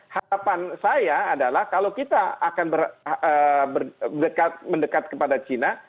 harapan saya adalah kalau kita akan mendekat kepada cina